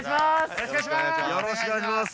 よろしくお願いします